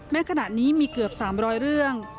ขณะนี้มีเกือบ๓๐๐เรื่อง